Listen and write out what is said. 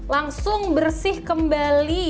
langsung bersih kembali